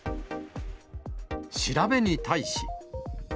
調べに対し。